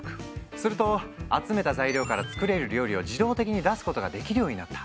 すると集めた材料から作れる料理を自動的に出すことができるようになった。